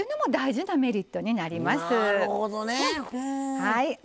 はい。